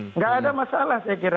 tidak ada masalah saya kira